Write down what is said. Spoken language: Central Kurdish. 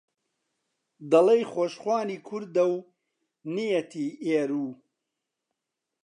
دەڵێی خۆشخوانی کوردە و نیەتی ئێروو